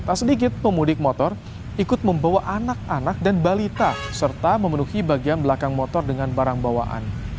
tak sedikit pemudik motor ikut membawa anak anak dan balita serta memenuhi bagian belakang motor dengan barang bawaan